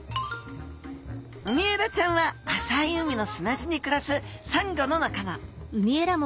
ウミエラちゃんは浅い海の砂地にくらすサンゴの仲間。